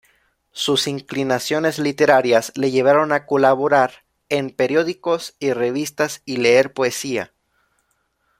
Sus inclinaciones literarias le llevaron a colaborar en periódicos y revistas y leer poesía.